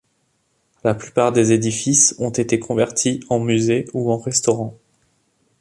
La plupart des édifices ont été convertis en musées ou en restaurants.